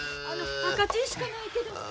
あの赤チンしかないけど。